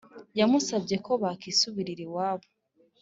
yamusabye ko bakisubirira iwabo